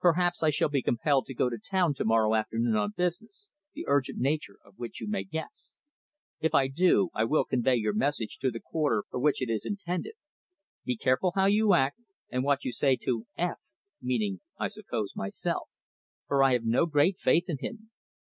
Perhaps I shall be compelled to go to town to morrow afternoon on business, the urgent nature of which you may guess. If I do I will convey your message to the quarter for which it is intended. Be careful how you act, and what you say to F," (meaning, I suppose, myself), "for I have no great faith in him.